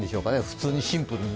普通にシンプルに。